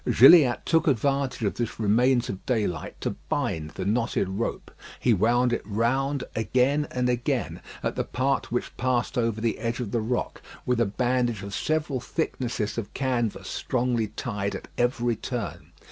Gilliatt took advantage of this remains of daylight to bind the knotted rope. He wound it round again and again at the part which passed over the edge of the rock, with a bandage of several thicknesses of canvas strongly tied at every turn.